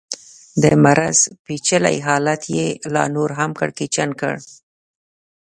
د مرض پېچلی حالت یې لا نور هم کړکېچن کړ.